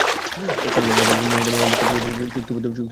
শামীম আহমেদ রনির মেন্টাল ছবিতে অভিনয়ের জন্য চুক্তিবদ্ধ হয়েছেন বেশ আগেই।